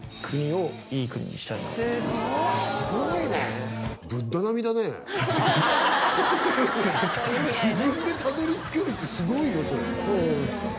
すごいね自分でたどりつけるってすごいよそれそうですかね